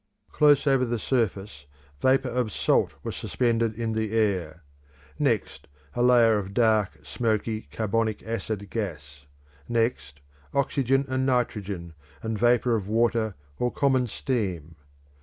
Close over the surface vapour of salt was suspended in the air; next, a layer of dark, smoky, carbonic acid gas; next, oxygen and nitrogen, and vapour of water or common steam.